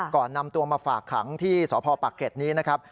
ก่อนนำตัวมาฝากขังที่สพปากเกร็ดนี้นะครับ